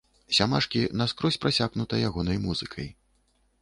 Сямашкі наскрозь прасякнута ягонай музыкай.